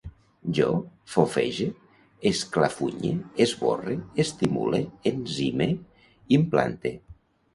Jo fofege, esclafunye, esborre, estimule, encime, implante